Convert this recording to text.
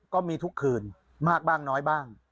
ก็มีทุกคืนมากบ้างน้อยบ้าง